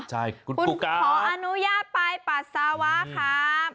ใช่คุณครูกราบคุณขออนุญาตไปปัสสาวะครับ